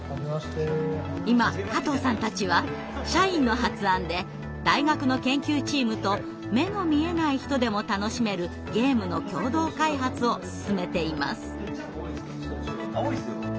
今加藤さんたちは社員の発案で大学の研究チームと目の見えない人でも楽しめるゲームの共同開発を進めています。